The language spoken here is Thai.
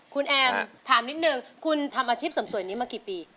คุณแอมถามนิดนึงคุณทำอาชีพเสริมสวยนี้มากี่ปี